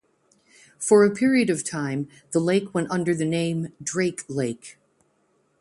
For a period of time, the lake went under the name Drake Lake.